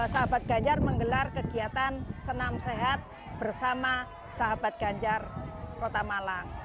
sahabat ganjar menggelar kegiatan senam sehat bersama sahabat ganjar kota malang